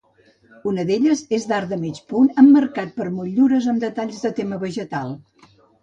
Una d'elles és d'arc de mig punt emmarcat per motllures amb detalls de tema vegetal.